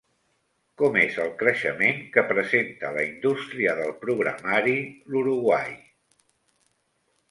Com és el creixement que presenta la indústria del programari l'Uruguai?